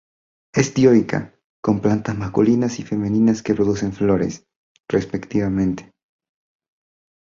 Es dioica, con plantas masculinas y femeninas que producen flores, respectivamente.